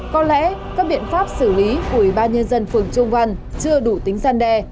có lẽ các biện pháp xử lý của ủy ban nhân dân phường trung văn chưa đủ tính gian đe